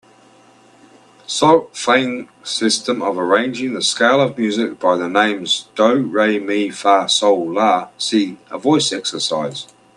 Solfaing system of arranging the scale of music by the names do, re, mi, fa, sol, la, si a voice exercise